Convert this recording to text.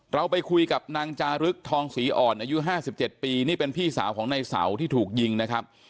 เราไปคุยกับนางจารึกทองศรีอ่อนอายุ๕๗ปีนี่เป็นพี่สาวของในเสาที่ถูกยิงนะครับ